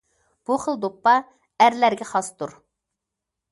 بۇ خىل دوپپا ئەرلەرگە خاستۇر.